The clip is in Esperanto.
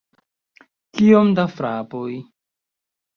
Kiom da frapoj?